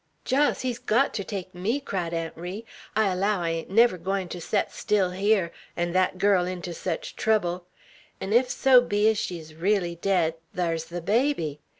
"Jos! He's got ter take me!" cried Aunt Ri. "I allow I ain't never gwine ter set still hyar, 'n' thet girl inter sech trouble; 'n' if so be ez she is reely dead, thar's the baby.